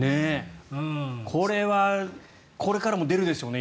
これはこれからも出るでしょうね